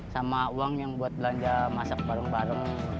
sama uang yang buat belanja masak bareng bareng